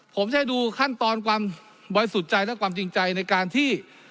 ผมจะให้ดูขั้นตอนความบริสุทธิ์ใจและความจริงใจในการที่